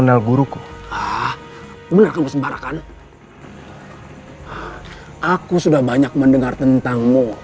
dan dari padepokan